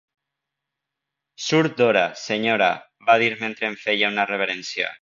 "Surt d'hora, senyora," va dir mentre em feia una reverència.